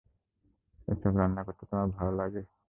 এসব রান্না করতে তোমার ভালো লাগে?